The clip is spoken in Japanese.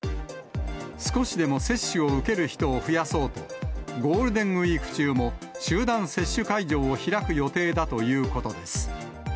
少しでも接種を受ける人を増やそうと、ゴールデンウィーク中も、集団接種会場を開く予定だということです。